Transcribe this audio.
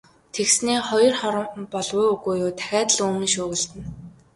Тэгснээ хоёр хором болов уу, үгүй юу дахиад л үймэн шуугилдана.